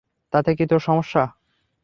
তাতে তোর কী সমস্যা?